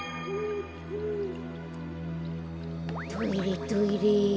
トイレトイレ